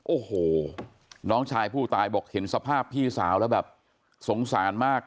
โอ้โหน้องชายผู้ตายบอกเห็นสภาพพี่สาวแล้วแบบสงสารมาก